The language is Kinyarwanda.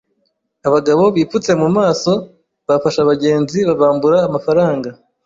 Abagabo bipfutse mu maso bafashe abagenzi babambura amafaranga.